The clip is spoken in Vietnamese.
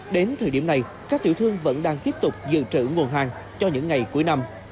đến thời điểm này các tiểu thương vẫn đang tiếp tục dự trữ nguồn hàng cho những ngày cuối năm